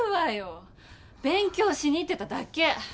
勉強しに行ってただけ。